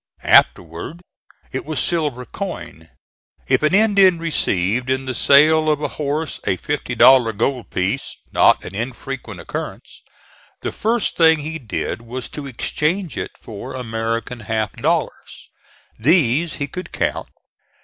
Afterward it was silver coin. If an Indian received in the sale of a horse a fifty dollar gold piece, not an infrequent occurrence, the first thing he did was to exchange it for American half dollars. These he could count.